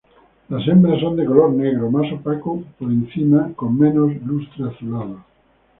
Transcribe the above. Las hembras son de color negro más opaco por encima, con menos lustre azulado.